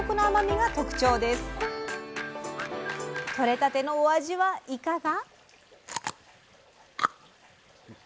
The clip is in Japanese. とれたてのお味はいかが？